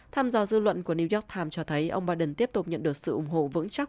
tham dò dư luận của new york times cho thấy ông biden tiếp tục nhận được sự ủng hộ vững chắc